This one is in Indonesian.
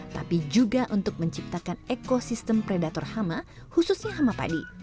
tapi juga untuk menciptakan ekosistem predator hama khususnya hama padi